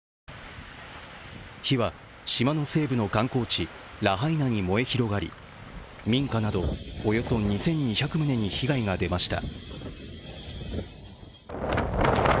火は島の西部の観光地ラハイナに燃え広がり、民家などおよそ２２００棟に被害が出ました。